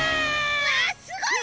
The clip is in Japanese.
うわすごい！